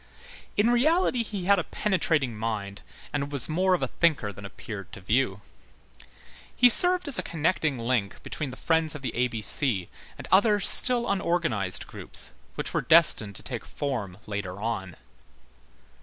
In reality, he had a penetrating mind and was more of a thinker than appeared to view. He served as a connecting link between the Friends of the A B C and other still unorganized groups, which were destined to take form later on.